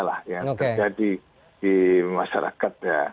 yang terjadi di masyarakat